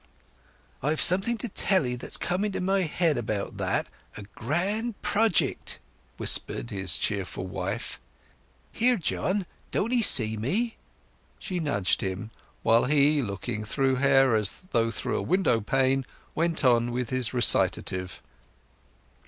"I've something to tell 'ee that's come into my head about that—a grand projick!" whispered his cheerful wife. "Here, John, don't 'ee see me?" She nudged him, while he, looking through her as through a window pane, went on with his recitative.